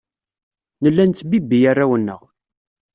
Nella nettbibbi arraw-nneɣ.